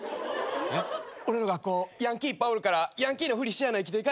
俺の学校ヤンキーいっぱいおるからヤンキーのふりしやな生きていかれへんねん。